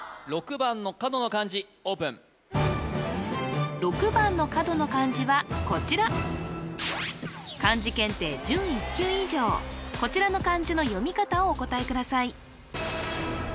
６番の角の漢字オープン６番の角の漢字はこちらこちらの漢字の読み方をお答えください